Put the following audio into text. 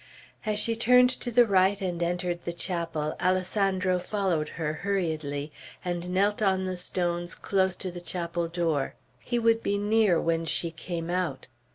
As she turned to the right and entered the chapel, Alessandro followed her hurriedly, and knelt on the stones close to the chapel door. He would be near when she came out.